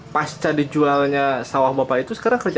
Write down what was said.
pasca dijualnya sawah bapak itu sekarang kerja